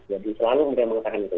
jadi selalu dia mengatakan itu